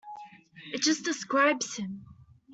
It just describes him.